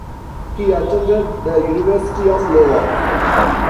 He attended the University of Iowa.